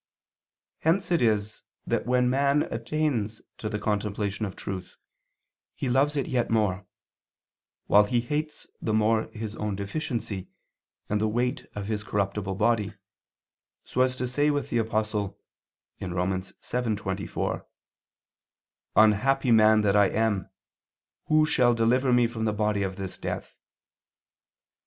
Hence it is that when man attains to the contemplation of truth, he loves it yet more, while he hates the more his own deficiency and the weight of his corruptible body, so as to say with the Apostle (Rom. 7:24): "Unhappy man that I am, who shall deliver me from the body of this death?"